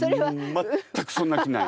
全くそんな気ない！